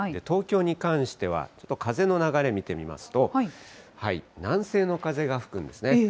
東京に関しては、ちょっと風の流れ見てみますと、南西の風が吹くんですね。